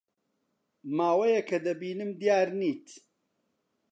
ماوەیەکە دەبینم دیار نیت.